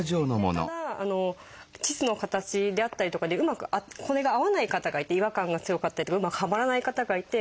ただ腟の形であったりとかでうまくこれが合わない方がいて違和感が強かったりとかうまくはまらない方がいて。